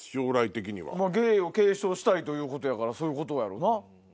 芸を継承したいということやからそういうことやろな。